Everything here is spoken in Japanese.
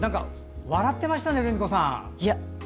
笑ってましたね、ルミ子さん。